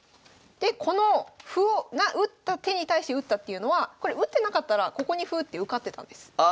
でこの歩を打った手に対して打ったっていうのはこれ打ってなかったらここに歩打って受かってたんです。